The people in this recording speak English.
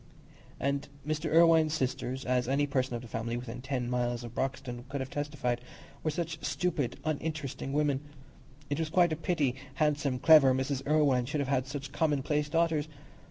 And Mr. Irwine's sisters, as any person of family within ten miles of Broxton could have testified, were such stupid, uninteresting women! It was quite a pity handsome, clever Mrs. Irwine should have had such commonplace daughters.